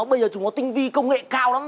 bây giờ chúng nó tinh vi công nghệ cao lắm